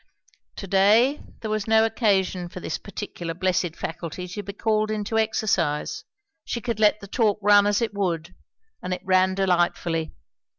To day there was no occasion for this particular blessed faculty to be called into exercise; she could let the talk run as it would; and it ran delightfully.